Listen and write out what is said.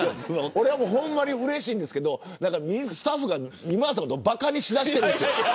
俺はうれしいんですけどスタッフが今田さんのことばかにし出してるんですよ。